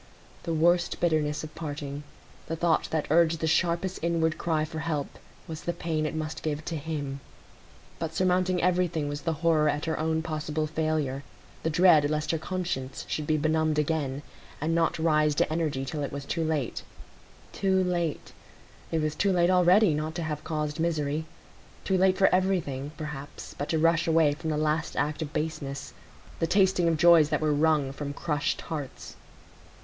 The worst bitterness of parting—the thought that urged the sharpest inward cry for help—was the pain it must give to him. But surmounting everything was the horror at her own possible failure, the dread lest her conscience should be benumbed again, and not rise to energy till it was too late. Too late! it was too late already not to have caused misery; too late for everything, perhaps, but to rush away from the last act of baseness,—the tasting of joys that were wrung from crushed hearts.